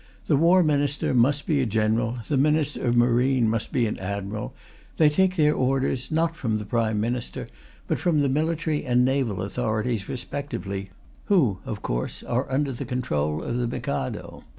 The War Minister must be a General, the Minister of Marine must be an Admiral; they take their orders, not from the Prime Minister, but from the military and naval authorities respectively, who, of course, are under the control of the Mikado.